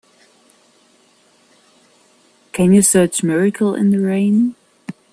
Can you search Miracle in the Rain?